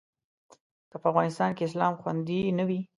که په افغانستان کې اسلام خوندي نه وي.